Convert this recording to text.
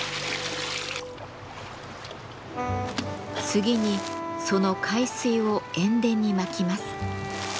次にその海水を塩田にまきます。